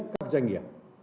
các doanh nghiệp